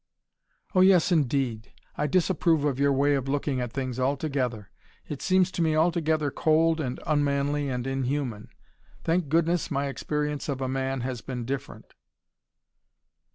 "Oh, yes, indeed. I disapprove of your way of looking at things altogether. It seems to me altogether cold and unmanly and inhuman. Thank goodness my experience of a man has been different."